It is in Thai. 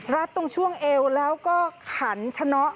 รัดตรงช่วงเอวแล้วก็ขันชะน็อ